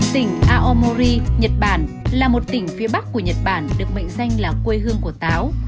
tỉnh aomori nhật bản là một tỉnh phía bắc của nhật bản được mệnh danh là quê hương của táo